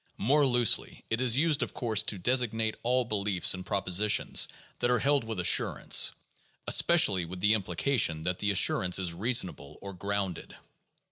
More loosely, it is used, of course, to designate all beliefs and propo sitions that are held with assurance, especially with the implication that the assurance is reasonable, or grounded.